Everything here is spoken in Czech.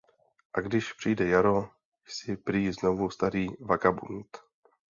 A když přijde jaro, jsi prý „znovu starý vagabund“.